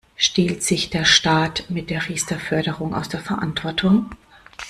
Stiehlt sich der Staat mit der Riester-Förderung aus der Verantwortung?